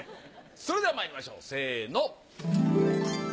それではまいりましょうせえの！